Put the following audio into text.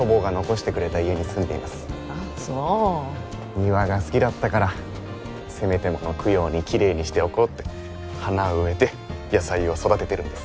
庭が好きだったからせめてもの供養にきれいにしておこうって花植えて野菜を育ててるんです。